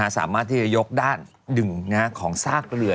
สามารถที่จะยกด้านดึงของซากเรือ